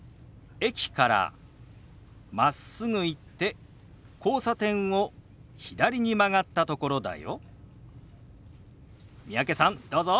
駅からまっすぐ行って交差点を左に曲がったところだよ。